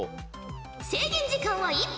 制限時間は１分。